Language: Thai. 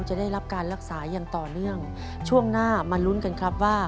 จะได้รับการรักษาอย่างต่อเนื่องช่วงหน้ามาลุ้นกันครับว่า